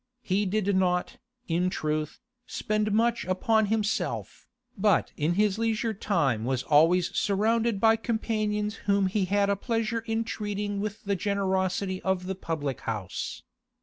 He did not, in truth, spend much upon himself, but in his leisure time was always surrounded by companions whom he had a pleasure in treating with the generosity of the public house.